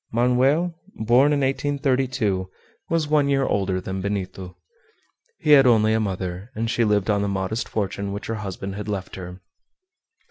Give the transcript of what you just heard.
Manoel, born in 1832, was one year older than Benito. He had only a mother, and she lived on the modest fortune which her husband had left her.